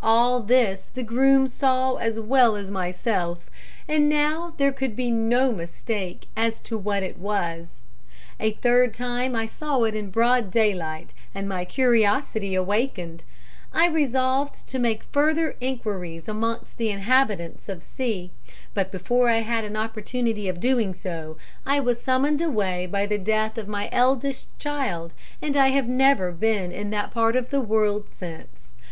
All this the groom saw as well as myself; and now there could be no mistake as to what it was. A third time I saw it in broad daylight, and my curiosity greatly awakened, I resolved to make further enquiries amongst the inhabitants of C , but before I had an opportunity of doing so, I was summoned away by the death of my eldest child, and I have never been in that part of the world since.